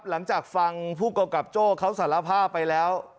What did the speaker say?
หลังจากฟังผู้กำกับโจ้เขาสารภาพไปแล้ว